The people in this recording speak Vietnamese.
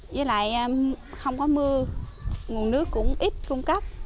với lại không có mưa nguồn nước cũng ít cung cấp